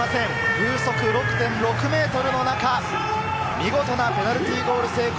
風速６．６メートルの中、見事なペナルティーゴール成功！